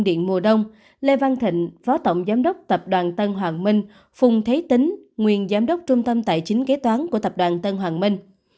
điện mùa đông lê văn thịnh phó tổng giám đốc tập đoàn tân hoàng minh phùng thế tính nguyên giám đốc trung tâm tài chính kế toán của tập đoàn tân hoàng minh